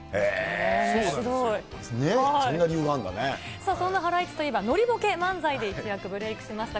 さあ、そんなハライチといえば、ノリボケ漫才で一躍ブレークしました。